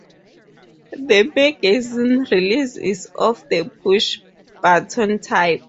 The magazine release is of the push button type.